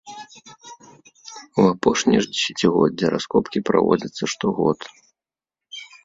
У апошнія ж дзесяцігоддзі раскопкі праводзяцца штогод.